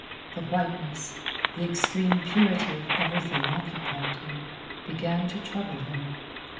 The whiteness, the extreme purity of everything occupied him began to trouble him.